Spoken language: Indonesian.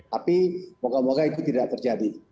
tapi moga moga itu tidak terjadi